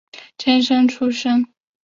监生出身。